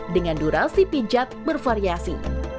dengan durasi pijat bervariasi